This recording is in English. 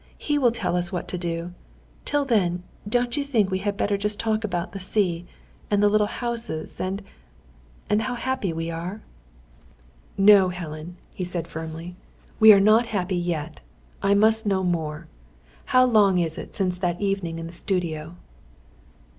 He will tell us what to do. Till then, don't you think we had better just talk about the sea, and the little houses, and and how happy we are?" "No, Helen," he said firmly. "We are not happy yet. I must know more. How long is it since that evening in the studio?"